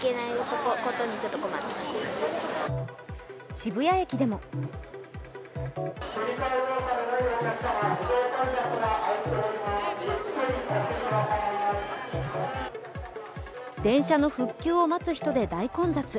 渋谷駅でも電車の復旧を待つ人で大混雑。